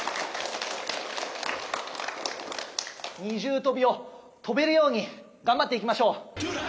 二重とびをとべるようにがんばっていきましょう。